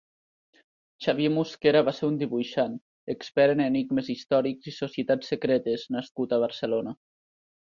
Xavier Musquera va ser un dibuixant, expert en enigmes històrics i societats secretes nascut a Barcelona.